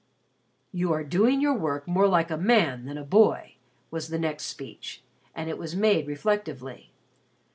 "You are doing your work more like a man than a boy," was the next speech, and it was made reflectively.